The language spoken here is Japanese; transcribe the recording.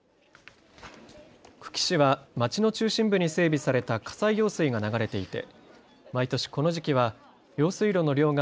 久喜市は街の中心部に整備された葛西用水が流れていて毎年この時期は用水路の両岸